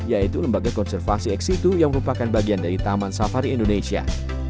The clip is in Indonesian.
yaitu lembaga konservasi eksitu yang merupakan bagian dari taman safari indonesia